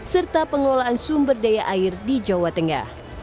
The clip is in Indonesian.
serta pengelolaan sumber daya air di jawa tengah